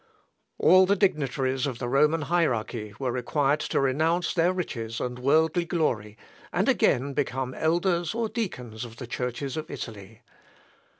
All the dignitaries of the Roman hierarchy were required to renounce their riches and worldly glory, and again become elders or deacons of the churches of Italy.